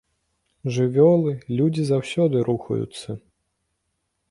Жывёлы, людзі заўсёды рухаюцца.